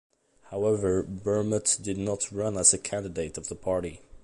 However, Bermet did not run as a candidate of the party.